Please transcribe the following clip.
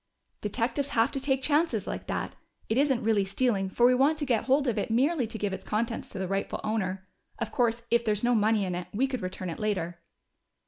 "Detectives have to take chances like that. It isn't really stealing, for we want to get hold of it merely to give its contents to the rightful owner. Of course, if there's no money in it, we could return it later."